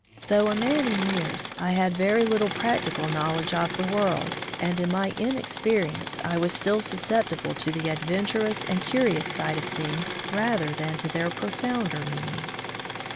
Though a man in years, I had very little practical knowledge of the world, and in my 61 From the Deep Woods to Civilization inexperience I was still susceptible to the adventurous and curious side of things rather than to their profounder meanings.